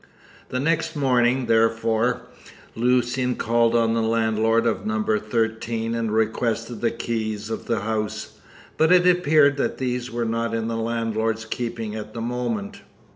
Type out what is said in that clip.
The next morning, therefore, Lucian called on the landlord of No. 13 and requested the keys of the house. But it appeared that these were not in the landlord's keeping at the moment.